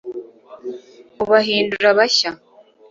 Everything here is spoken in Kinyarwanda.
ubahindura bashya